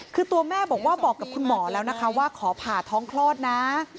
คือตัวแม่บอกว่าบอกกับคุณหมอแล้วนะคะว่าขอผ่าท้องคลอดนะ